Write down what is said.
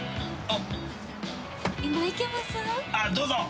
あっどうぞ。